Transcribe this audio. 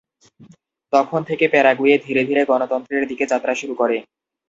তখন থেকে প্যারাগুয়ে ধীরে ধীরে গণতন্ত্রের দিকে যাত্রা শুরু করে।